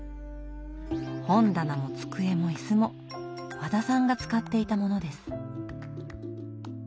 本棚も机も椅子も和田さんが使っていたものです。